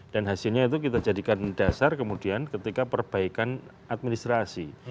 dan hasilnya itu kita jadikan dasar kemudian ketika perbaikan administrasi